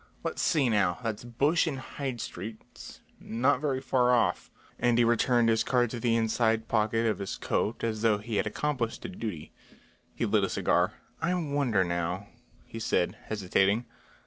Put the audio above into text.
Let's see now! That's Bush and Hyde streets, not very far off," and he returned his card to the inside pocket of his coat as though he had accomplished a duty. He lit a cigar. "I wonder now," he said, hesitating.